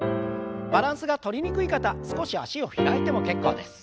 バランスがとりにくい方少し脚を開いても結構です。